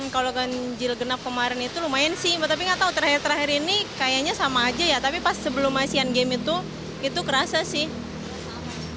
kalau ganjil genap kemarin itu lumayan sih tapi nggak tahu terakhir terakhir ini kayaknya sama aja ya tapi pas sebelum asean games itu itu kerasa sih